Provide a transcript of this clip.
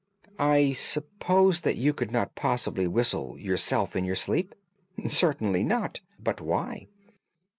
"'I suppose that you could not possibly whistle, yourself, in your sleep?' "'Certainly not. But why?